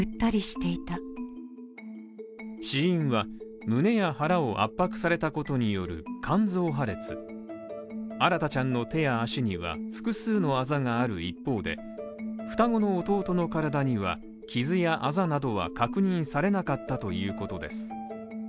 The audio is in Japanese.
死因は胸や腹を圧迫されたことによる肝臓破裂新大ちゃんの手や足には複数のあざがある一方で、双子の弟の体には傷やあざなどは確認されなかったということです